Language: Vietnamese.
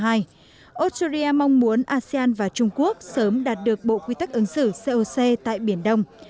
australia mong muốn asean và trung quốc sớm đạt được bộ quy tắc ứng xử coc tại biển đông